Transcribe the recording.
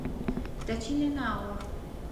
دەچینە ناوەوە.